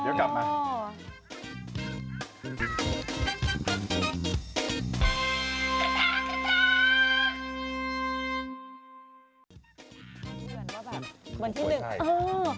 คุณผู้ชมค่ะเดี๋ยวก่อนกลับมา